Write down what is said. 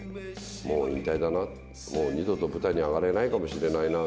もう引退だな、もう二度と舞台に上がれないかもしれないな。